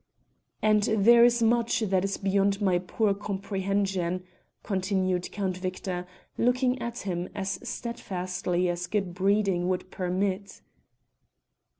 "And there is much that is beyond my poor comprehension," continued Count Victor, looking at him as steadfastly as good breeding would permit.